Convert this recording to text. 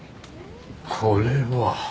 これは。